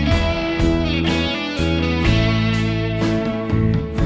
เจ้าสักพี่พี่